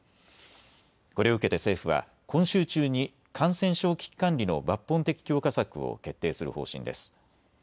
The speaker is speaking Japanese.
これを受けて政府は今週中に感染症危機管理の抜本的強化策を決定する方針です。